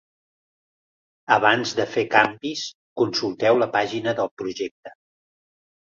Abans de fer canvis, consulteu la pàgina del projecte.